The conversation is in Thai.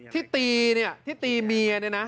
ที่ตีเนี่ยที่ตีเมียเนี่ยนะ